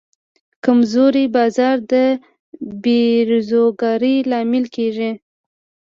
کمزوری بازار د بیروزګارۍ لامل کېږي.